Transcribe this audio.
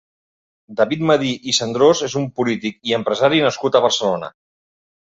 David Madí i Cendrós és un polític i empresari nascut a Barcelona.